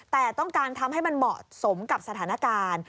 แต่ต้องการทำให้มันเหมาะสมกับสถานการณ์